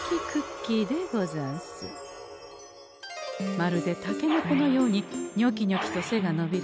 まるでタケノコのようににょきにょきと背がのびる